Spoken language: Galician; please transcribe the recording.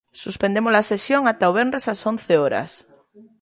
Suspendemos a sesión ata o venres ás once horas.